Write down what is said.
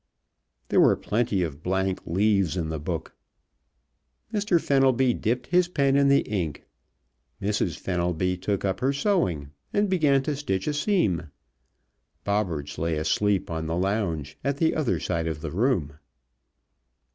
There were plenty of blank leaves in the book. Mr. Fenelby dipped his pen in the ink. Mrs. Fenelby took up her sewing, and began to stitch a seam. Bobberts lay asleep on the lounge at the other side of the room.